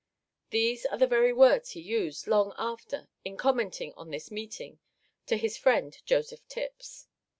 These are the very words he used, long after, in commenting on this meeting to his friend Joseph Tipps.